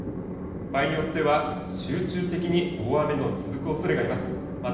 場合によっては、集中的に大雨の続くおそれがあります。